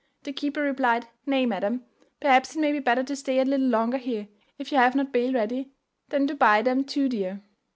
The keeper replied, "Nay, madam, perhaps it may be better to stay a little longer here, if you have not bail ready, than to buy them too dear.